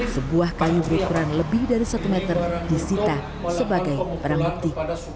sebuah kayu berukuran lebih dari satu meter disita sebagai barang bukti